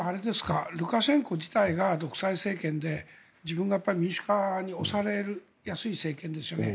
ルカシェンコ自体が独裁政権で自分が民主派に押されやすい政権ですよね。